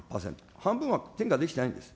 半分は転嫁できていないんです。